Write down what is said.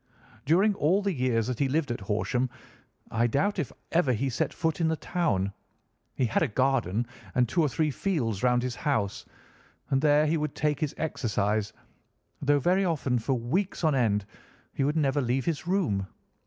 During all the years that he lived at Horsham, I doubt if ever he set foot in the town. He had a garden and two or three fields round his house, and there he would take his exercise, though very often for weeks on end he would never leave his room.